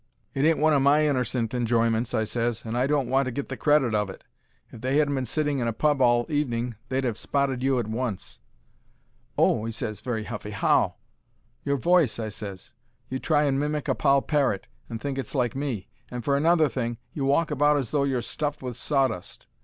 "It ain't one o' my innercent enjoyments," I ses, "and I don't want to get the credit of it. If they hadn't been sitting in a pub all the evening they'd 'ave spotted you at once." "Oh!" he ses, very huffy. "How?" "Your voice," I ses. "You try and mimic a poll parrot, and think it's like me. And, for another thing, you walk about as though you're stuffed with sawdust."